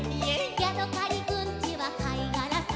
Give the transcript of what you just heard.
「ヤドカリくんちはかいがらさ」